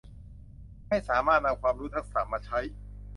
ให้สามารถนำความรู้ทักษะมาใช้